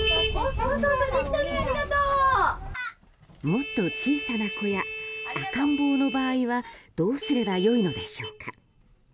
もっと小さな子や赤ん坊の場合はどうすれば良いのでしょうか。